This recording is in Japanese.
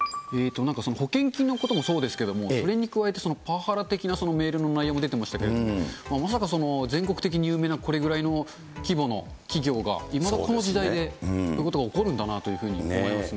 保険金のこともそうですけれども、それに加えて、パワハラ的な内容のメールの内容も出てましたけど、まさか全国的に有名な、これぐらいの規模の企業が、今のこの時代でこんなことが起こるんだなというふうに思いました